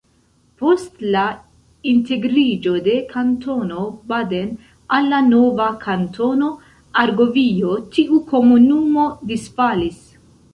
Post la integriĝo de Kantono Baden al la nova Kantono Argovio, tiu komunumo disfalis.